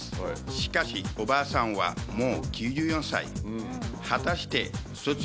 しかしおばあさんはもう９４歳。